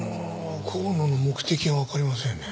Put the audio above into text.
香野の目的がわかりませんね。